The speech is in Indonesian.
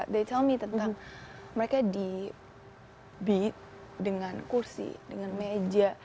they tell me tentang mereka di beat dengan kursi dengan meja